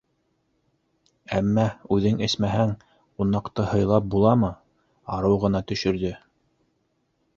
Әммә, үҙең эсмәһәң, ҡунаҡты һыйлап буламы - арыу ғына төшөрҙө.